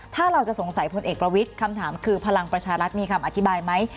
ถ้าเราจะสงสัยพลเอกประวิทย์คำถามคือพลังประชารัฐมีคำอธิบายไหม